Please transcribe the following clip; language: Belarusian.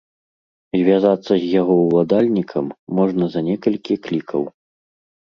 Звязацца з яго ўладальнікам можна за некалькі клікаў.